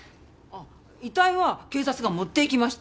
あっ遺体は警察が持っていきました。